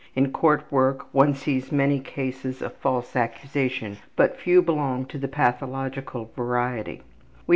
In court work one sees many cases of false accusation, but few belong to the pathological variety.